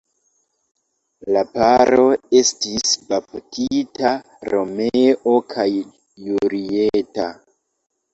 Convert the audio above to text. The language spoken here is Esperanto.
La paro estis baptita Romeo kaj Julieta.